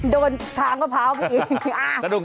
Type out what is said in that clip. โดนทางกระเพราไปอีก